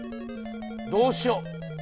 どうしよう？